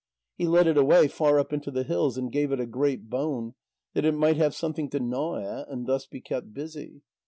He led it away far up into the hills, and gave it a great bone, that it might have something to gnaw at, and thus be kept busy.